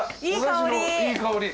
いい香り。